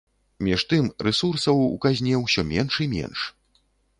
Між тым, рэсурсаў у казне ўсё менш і менш.